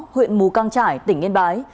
huyện mù căng trải tỉnh yên bái